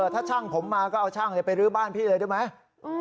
ถ้าช่างผมมาก็เอาช่างไปรื้อบ้านพี่เลยได้ไหม